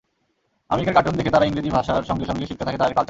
American cartoon দেখে তারা ইংরেজি ভাষার সঙ্গে সঙ্গে শিখতে থাকে তাদের কালচার।